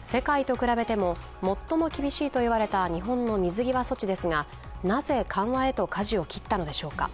世界と比べても最も厳しいと言われた日本の水際措置ですが、なぜ、緩和へとかじを切ったのでしょうか？